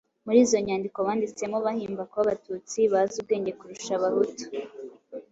Muri izo nyandiko banditsemo bahimba ko Abatutsi bazi ubwenge kurusha Abahutu